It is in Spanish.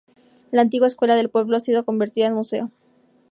La antigua escuela del pueblo ha sido convertida en museo.